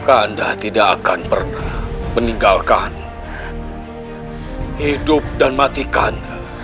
anda tidak akan pernah meninggalkan hidup dan matikan